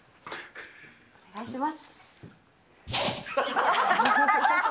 お願いします。